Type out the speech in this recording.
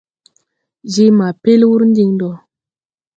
Je ma pel wuur diŋ ndo.